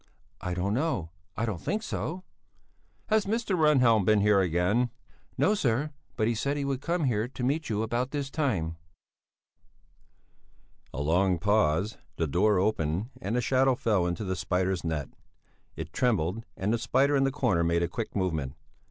"I don't know! I don't think so!" "Has Mr. Rehnhjelm been here again?" "No, sir, but he said he would come here to meet you about this time." A long pause; the door opened and a shadow fell into the spider's net; it trembled, and the spider in the corner made a quick movement.